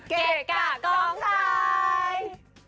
เกะกะกองไทย